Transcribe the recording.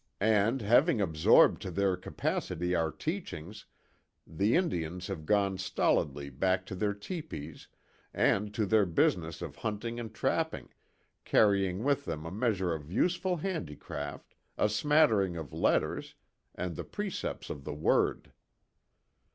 And, having absorbed to their capacity our teachings, the Indians have gone stolidly back to their tepees, and to their business of hunting and trapping, carrying with them a measure of useful handicraft, a smattering of letters, and the precepts of the Word."